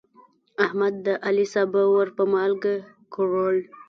احمد د علي سابه ور په مالګه کړل.